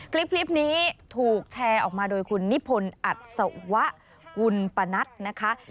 คลิปนี้ถูกแชร์ออกมาโดยคุณนิพนธ์อัศวะกุลปนัทนะคะ